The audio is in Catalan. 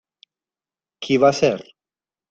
Qui va ser?